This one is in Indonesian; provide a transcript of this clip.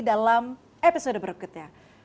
dalam episode berikutnya